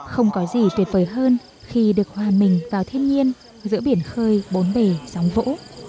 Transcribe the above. không có gì tuyệt vời hơn khi được hòa mình vào thiên nhiên giữa biển khơi bốn bể sóng vỗ